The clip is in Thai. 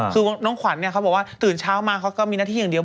คือน้องขวัญเขาบอกว่าตื่นเช้ามาเขาก็มีหน้าที่อย่างเดียว